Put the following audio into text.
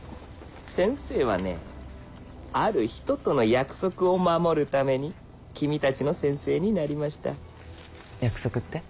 先生はねある人との約束を守るために君たちの先生になりました約束って？